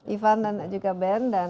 ivan dan juga ben dan